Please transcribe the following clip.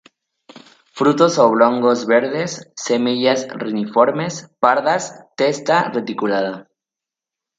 Frutos oblongos, verdes; semillas reniformes, pardas, testa reticulada.